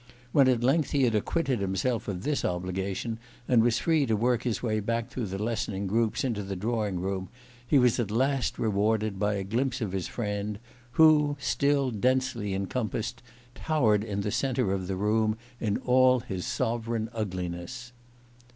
When at length he had acquitted himself of this obligation, and was free to work his way back through the lessening groups into the drawing room, he was at last rewarded by a glimpse of his friend, who, still densely encompassed, towered in the centre of the room in all his sovran ugliness.